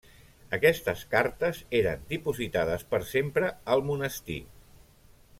Aquestes cartes eren dipositades per sempre al monestir.